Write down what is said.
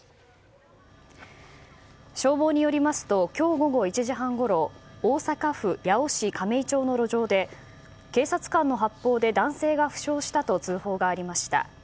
消防によりますと今日午後１時半ごろ大阪府八尾市亀井町の路上で警察官の発砲で男性が負傷したと通報がありました。